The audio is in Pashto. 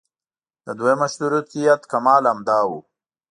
د دویم مشروطیت کمال همدا و.